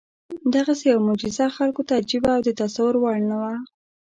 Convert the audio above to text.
دغسې یوه معجزه خلکو ته عجیبه او د تصور وړ نه وه.